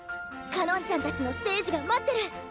かのんちゃんたちのステージが待ってる。